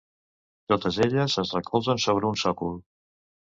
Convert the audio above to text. Totes elles es recolzen sobre un sòcol.